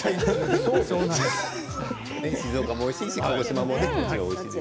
静岡もおいしいし鹿児島もね。